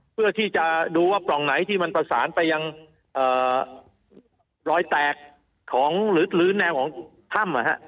เพื่อที่จะดูว่าปล่องไหนที่มันประสานไปยังรอยแตกของหรือแนวของถ้ำ